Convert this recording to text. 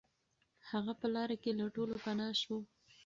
هغه په لاره کې له ټولو پناه شو.